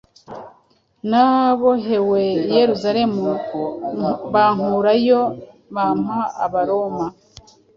nabohewe i Yerusalemu, bankurayo, bampa Abaroma.